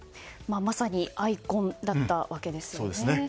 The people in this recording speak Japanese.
まさにアイコンだったわけですね。